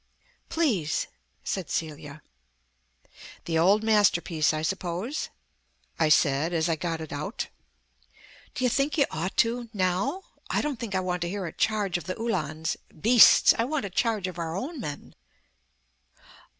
"Please," said Celia. "The old masterpiece, I suppose?" I said, as I got it out. "Do you think you ought to now? I don't think I want to hear a charge of the Uhlans beasts; I want a charge of our own men."